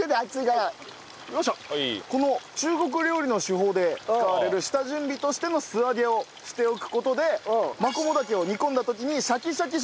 この中国料理の手法で使われる下準備としての素揚げをしておく事でマコモダケを煮込んだ時にシャキシャキ食感が残るそうです。